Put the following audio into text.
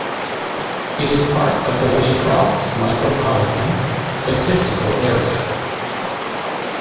It is part of the Waycross Micropolitan Statistical Area.